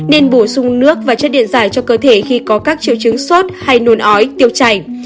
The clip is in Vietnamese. nên bổ sung nước và chất điện giải cho cơ thể khi có các triệu chứng sốt hay nồn ói tiêu chảy